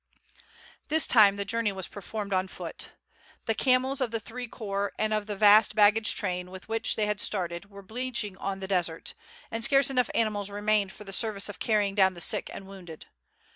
This time the journey was performed on foot. The camels of the three corps and of the vast baggage train with which they had started were bleaching on the desert, and scarce enough animals remained for the service of carrying down the sick and wounded.